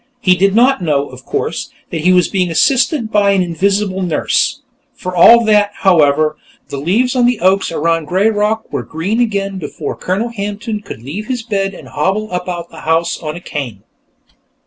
He did not know, of course, that he was being assisted by an invisible nurse. For all that, however, the leaves on the oaks around "Greyrock" were green again before Colonel Hampton could leave his bed and hobble about the house on a cane.